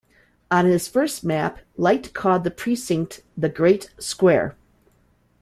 On his first map, Light called the precinct 'The Great Square'.